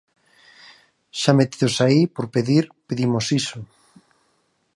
Xa metidos aí, por pedir, pedimos iso.